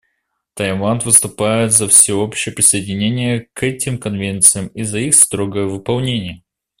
Таиланд выступает за всеобщее присоединение к этим конвенциям и за их строгое выполнение.